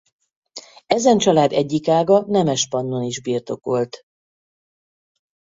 Ezen család egyik ága Nemespannon is birtokolt.